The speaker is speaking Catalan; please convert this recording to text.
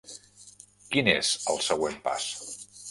Quin és el següent pas?